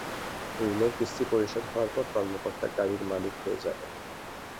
ঋণের কিস্তি পরিশোধ হওয়ার পর কর্মকর্তা গাড়ির মালিক হয়ে যাবেন।